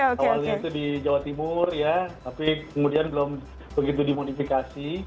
awalnya itu di jawa timur ya tapi kemudian belum begitu dimodifikasi